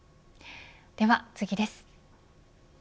では次です。